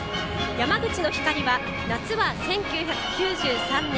山口の光は、夏は１９９３年